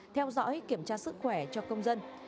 theo dõi kiểm tra sức khỏe cho công dân